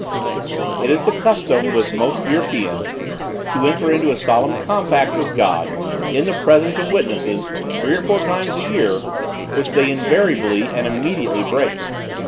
"It is the custom with most Europeans, to enter into a solemn compact with God, in the presence of witnesses, three or four times a year, which they invariably and immediately break.